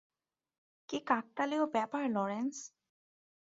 কী কাকতালীয় ব্যাপার, লরেন্স।